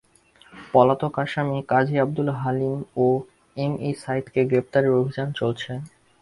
পলাতক আসামি কাজী আবদুল হালিম ও এম এ সাঈদকে গ্রেপ্তারে অভিযান চলছে।